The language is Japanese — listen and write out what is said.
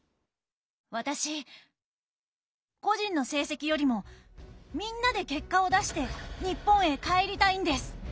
私個人の成績よりもみんなで結果を出して日本へ帰りたいんです！